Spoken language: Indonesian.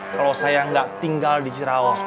kalau saya nggak tinggal di cirawas